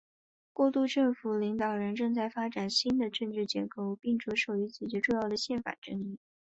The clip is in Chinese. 过渡政府领导人正在发展新的治理结构并着手解决重要的宪法争议。